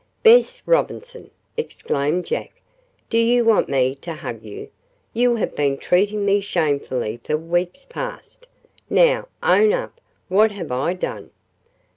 "Bess Robinson!" exclaimed Jack. "Do you want me to hug you? You have been treating me shamefully for weeks past. Now, own up. What have I done?"